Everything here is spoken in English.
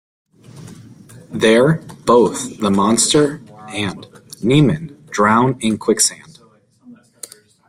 There, both the monster and Niemann drown in quicksand.